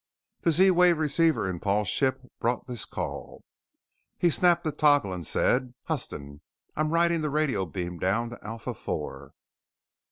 The Z wave receiver in Paul's ship brought this call. He snapped the toggle and said: "Huston? I'm riding the radio beam down to Alpha IV."